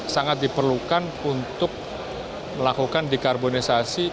sangat diperlukan untuk melakukan dikarbonisasi